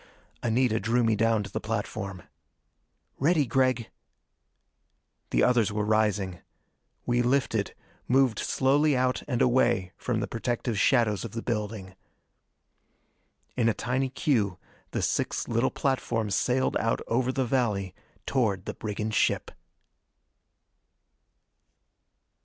Anita drew me down to the platform. "Ready, Gregg." The others were rising. We lifted, moved slowly out and away from the protective shadows of the building. In a tiny queue the six little platforms sailed out over the valley toward the brigand ship.